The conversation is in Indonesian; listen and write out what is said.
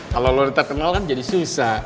kalo lo udah terkenal kan jadi susah